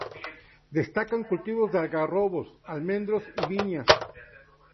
Destacan los cultivos de algarrobos, almendros y viñas.